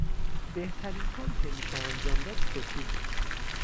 بهترین کاری که میشه انجام داد سکوته